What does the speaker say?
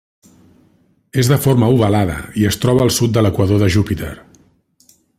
És de forma ovalada i es troba al sud de l'equador de Júpiter.